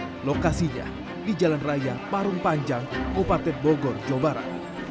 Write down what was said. di lokasinya di jalan raya parung panjang upaten bogor jawa barat